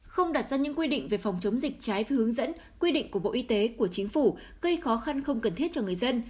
không đặt ra những quy định về phòng chống dịch trái với hướng dẫn quy định của bộ y tế của chính phủ gây khó khăn không cần thiết cho người dân